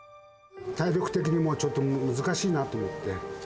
体力的にもう、ちょっと難しいなと思って。